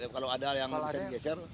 kalau ada yang bisa digeser